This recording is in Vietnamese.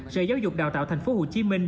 sở giáo dục đào tạo thành phố hồ chí minh